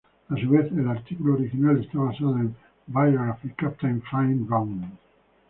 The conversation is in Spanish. A su vez, el artículo original está basado en "Biography: Captain Finn Ronne.